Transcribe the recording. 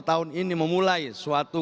tahun ini memulai suatu